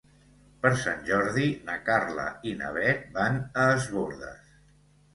Per Sant Jordi na Carla i na Bet van a Es Bòrdes.